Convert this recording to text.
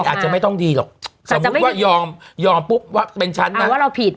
อาจจะไม่ต้องดีหรอกสมมุติว่ายอมยอมปุ๊บว่าเป็นฉันนะว่าเราผิด